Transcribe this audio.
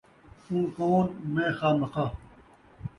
تو کون ؟ میں خوامخواہ